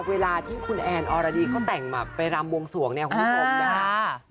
เวลาที่คุณแอนอรดีเขาแต่งแบบไปรำวงสวงเนี่ยคุณผู้ชมนะคะ